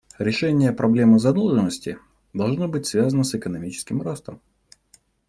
Решение проблемы задолженности должно быть связано с экономическим ростом.